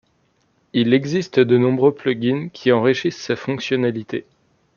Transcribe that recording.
Il existe de nombreux plug-in qui enrichissent ses fonctionnalités.